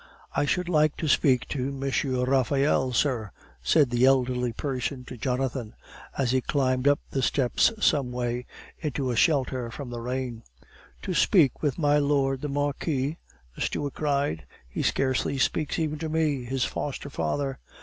"I should like to speak with M. Raphael, sir," said the elderly person to Jonathan, as he climbed up the steps some way, into a shelter from the rain. "To speak with my Lord the Marquis?" the steward cried. "He scarcely speaks even to me, his foster father!"